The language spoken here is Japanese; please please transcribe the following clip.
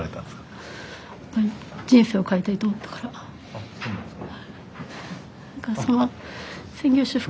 あっそうなんですか？